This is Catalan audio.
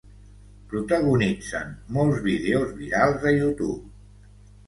Protagonitzen molts vídeos virals a YouTube.